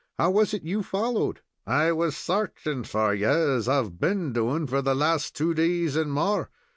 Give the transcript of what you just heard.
How was it you followed?" "I was sarching for ye, as I've been doing for the last two days and more.